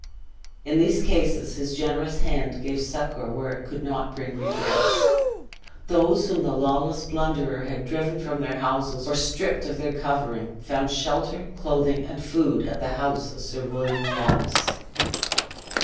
In these cases, his generous hand gave succor where it could not bring redress. Those whom the lawless plunderer had driven from their houses or stripped of their covering, found shelter, clothing, and food at the house of Sir William Wallace.